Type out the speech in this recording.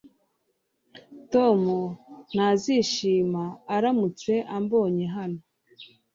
Tom ntazishima aramutse ambonye hano